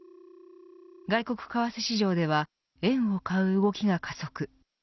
外国為替市場では円を買う動きが加速。